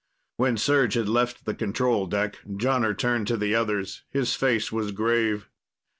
When Serj had left the control deck, Jonner turned to the others. His face was grave.